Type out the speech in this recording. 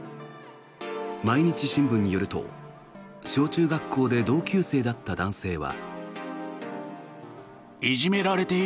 毎日新聞によると小中学校で同級生だった男性は。